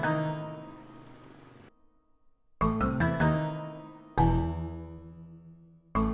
tunggu aku mau ke toilet